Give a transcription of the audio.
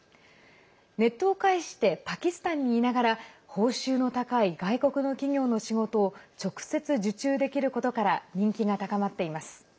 ネットを介してパキスタンにいながら報酬の高い外国の企業の仕事を直接、受注できることから人気が高まっています。